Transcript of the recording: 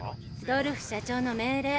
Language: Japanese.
ドルフ社長の命令。